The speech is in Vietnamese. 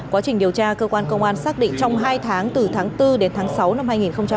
quá trình điều tra cơ quan công an xác định trong hai tháng từ tháng bốn đến tháng sáu năm hai nghìn hai mươi